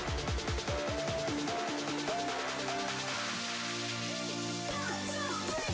ini kan luar biasa